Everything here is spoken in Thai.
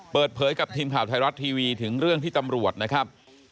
เปิดเผยกับทีมข่าวไทยรัฐทีวีถึงเรื่องที่ตำรวจนะครับ